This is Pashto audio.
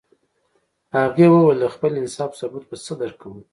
هغې ویل د خپل انصاف ثبوت به څه درکوم